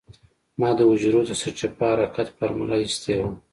ما د حجرو د سرچپه حرکت فارموله اېستې وه.